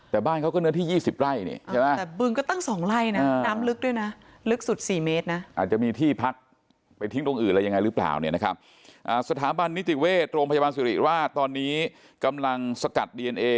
แต่บ้านเขาก็เนื้อที่๒๐ไร่